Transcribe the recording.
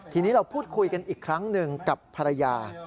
ทีนี้เราพูดคุยกันอีกครั้งหนึ่งกับภรรยา